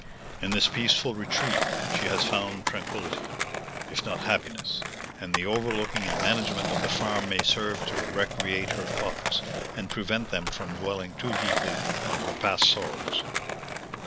In this peaceful retreat she has found tranquillity, if not happiness; and the overlooking and management of the farm may serve to recreate her thoughts, and prevent them from dwelling too deeply on her past sorrows.